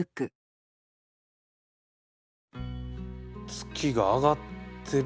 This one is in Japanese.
月が上がってる。